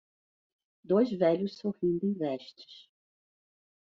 Dois velhos sorrindo em vestes.